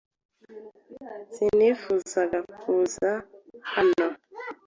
Sinifuzaga kuza hano.